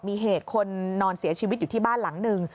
มีเหตุคนนอนเสียชีวิตอยู่ที่บ้านหลังหนึ่ง